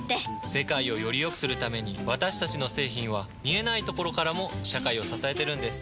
世界をよりよくするために私たちの製品は見えないところからも社会を支えてるんです。